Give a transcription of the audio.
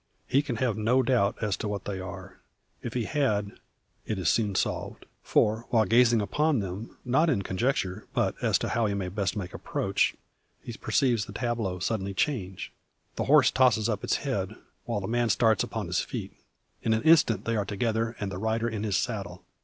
He can have no doubt as to what they are. If he had, it is soon solved. For while yet gazing upon them not in conjecture, but as to how he may best make approach he perceives the tableau suddenly change. The horse tosses up its head, while the man starts upon his feet. In an instant they are together, and the rider in his saddle.